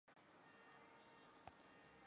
出生在康乃狄克州的费尔菲尔德。